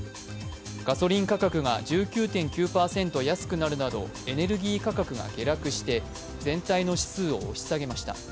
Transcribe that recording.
ガソリン価格が１９．９％安くなるなど、エネルギー価格が下落して全体の指数を押し下げました。